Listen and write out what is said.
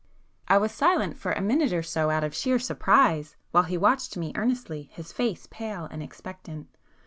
'" I was silent for a minute or so out of sheer surprise, while he watched me earnestly, his face pale and expectant.